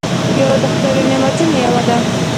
پیاله د خدای له نعمتونو یوه ده.